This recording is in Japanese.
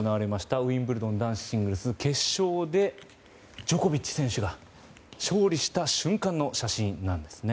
ウィンブルドン男子シングルス決勝でジョコビッチ選手が勝利した瞬間の写真です。